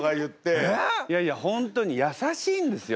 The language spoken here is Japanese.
いやいや本当に優しいんですよ